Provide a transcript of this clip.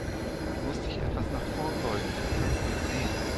Du musst dich etwas nach vorn beugen, dann kannst du es sehen.